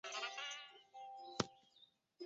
与富豪汽车并称瑞典国宝。